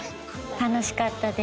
楽しかったです。